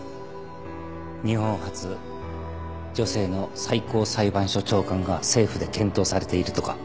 日本初女性の最高裁判所長官が政府で検討されているとか。